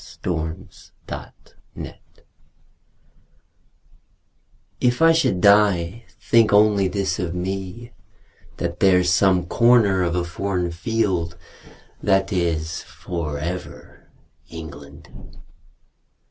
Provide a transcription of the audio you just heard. V. The Soldier If I should die, think only this of me: That there's some corner of a foreign field That is for ever England.